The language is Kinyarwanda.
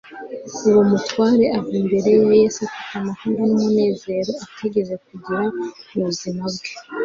Uwo mutware ava imbere ya Yesu afite amahoro n’umunezero atigeze agira mu buzima bwe